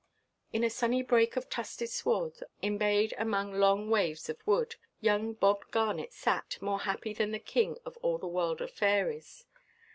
In a sunny break of tufted sward, embayed among long waves of wood, young Bob Garnet sat, more happy than the king of all the world of fairies.